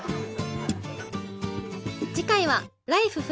次回は「ＬＩＦＥ！冬」。